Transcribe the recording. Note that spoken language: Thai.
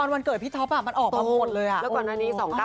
แล้วก่อนอันนี้๒๙๙๒อ่ะ